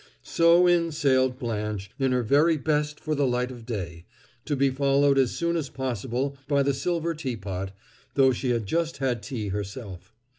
So in sailed Blanche, in her very best for the light of day, to be followed as soon as possible by the silver teapot, though she had just had tea herself.